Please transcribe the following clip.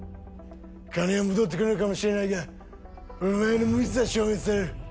金は戻ってこないかもしれないがお前の無実は証明される。